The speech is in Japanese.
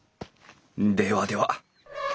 ではでは。